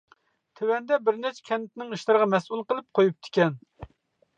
تۆۋەندە بىرنەچچە كەنتنىڭ ئىشلىرىغا مەسئۇل قىلىپ قويۇپتىكەن.